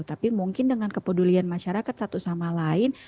tapi mungkin dengan kepedulian masyarakat satu sama lain